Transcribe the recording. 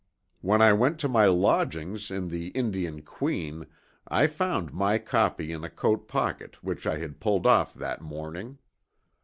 When I went to my lodgings in the Indian Queen, I found my copy in a coat pocket which I had pulled off that Morning.